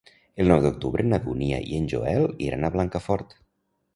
El nou d'octubre na Dúnia i en Joel iran a Blancafort.